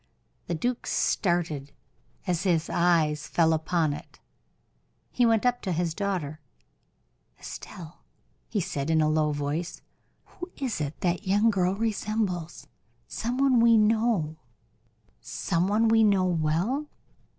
The duke started as his eyes fell upon it. He went up to his daughter. "Estelle," he said, in a low voice, "who is it that young girl resembles some one we know well?